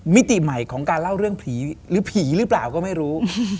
มิติใหม่ของการเล่าเรื่องผีหรือผีหรือเปล่าก็ไม่รู้